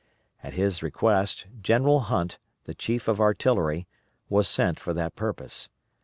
At his request, General Hunt, the Chief of Artillery, was sent for that purpose.